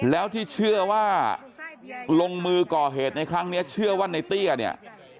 แล้วที่เชื่อว่าลงมือก่อเหตุในครั้งนี้เชื่อว่าในเตี้ยเนี่ย